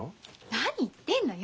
何言ってんのよ。